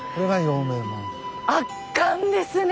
圧巻ですね